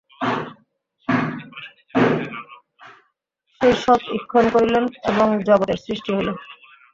সেই সৎ ঈক্ষণ করিলেন এবং জগতের সৃষ্টি হইল।